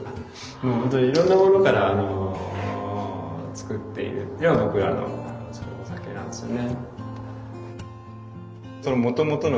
もう本当にいろんなものからつくっているっていうのが僕らのつくるお酒なんですよね。